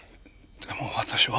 でも私は。